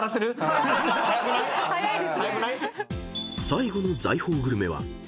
［最後の財宝グルメは］